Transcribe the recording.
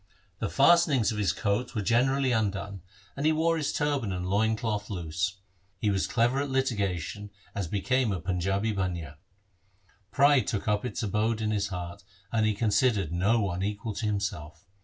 The fastenings of his coat were generally undone, and he wore his turban and loin cloth loose. He was clever at litigation, as became a Panjabi bania. Pride took up its abode in his heart, and he considered no one equal to himself.